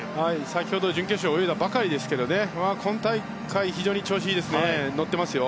先ほど準決勝を泳いだばかりですけど今大会、非常に調子がいいですね